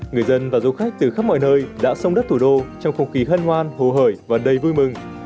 người dân và du khách từ khắp mọi nơi đã xông đất thủ đô trong không kỳ hân hoan hồ hởi và đầy vui mừng